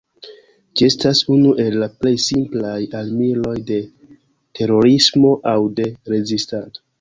Ĝi estas unu el la plej simplaj armiloj de terorismo aŭ de rezistado.